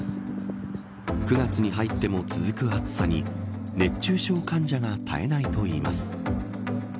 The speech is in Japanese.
９月に入っても続く暑さに熱中症患者が絶えないといいます。